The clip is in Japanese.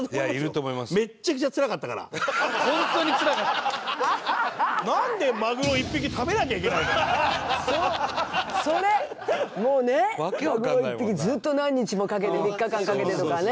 もうねマグロ１匹ずっと何日もかけて３日間かけてとかね。